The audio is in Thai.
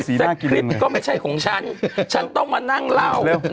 สักคลิปก็ไม่ใช่ของฉันฉันต้องมานั่งเล่า